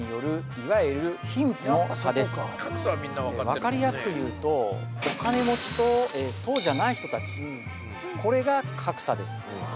分かりやすくいうとお金持ちとそうじゃない人たちこれが格差です